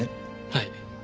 はい。